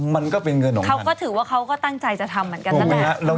มันก็เป็นเงินของท่าน